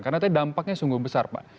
karena nantinya dampaknya sungguh besar pak